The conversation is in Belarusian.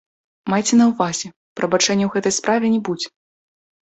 Майце на ўвазе, прабачэння ў гэтай справе не будзе.